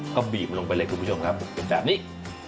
ก็บีบลงไปเลยคุณผู้ชมครับเป็นแบบนี้